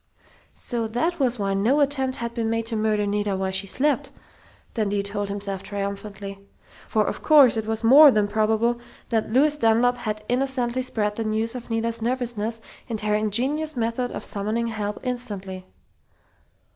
So that was why no attempt had been made to murder Nita while she slept! Dundee told himself triumphantly. For of course it was more than probable that Lois Dunlap had innocently spread the news of Nita's nervousness and her ingenious method of summoning help instantly....